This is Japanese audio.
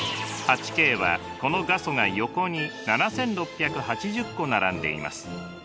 ８Ｋはこの画素が横に７，６８０個並んでいます。